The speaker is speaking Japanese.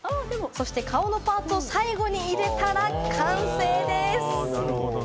顔のパーツを最後に入れたら完成です。